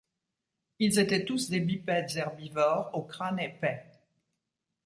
Ils étaient tous des bipèdes herbivores au crâne épais.